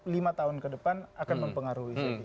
lima tahun ke depan akan mempengaruhi